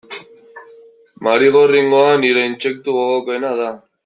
Marigorringoa nire intsektu gogokoena da.